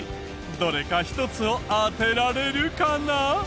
どれか１つを当てられるかな？